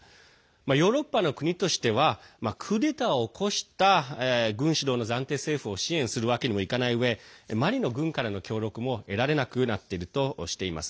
ヨーロッパの国としてはクーデターを起こした軍主導の暫定政府を支援するわけにもいかないうえマリの軍からの協力も得られなくなっているとしています。